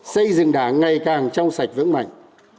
xây dựng đảng ngày càng trong sạch vững mạnh